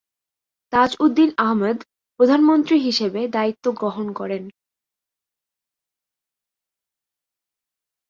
তাজউদ্দীন আহমদ প্রধানমন্ত্রী হিসেবে দায়িত্ব গ্রহণ করেন।